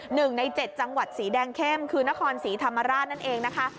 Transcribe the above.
หนึ่งในเจ็ดจังหวัดสีแดงเข้มคือนครศรีธรรมราชนั่นเองนะคะ